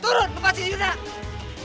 turun lepasin yuk kak